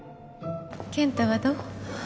健太はどう？